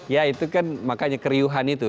ya itu kan makanya keriuhan itu